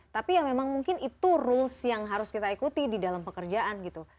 tapi ya memang mungkin itu rules yang harus kita ikuti di dalam pekerjaan gitu